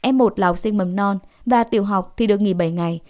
f một là học sinh mầm non và tiểu học thì được nghỉ bảy ngày